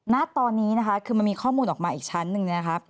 ณตอนนี้นะคะคือมันมีข้อมูลออกมาอีกชั้นหนึ่งนะครับ